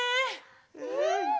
うん！